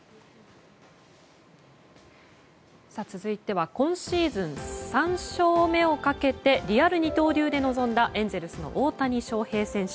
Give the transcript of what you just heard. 続いては今シーズン３勝目をかけてリアル二刀流で臨んだエンゼルスの大谷翔平選手。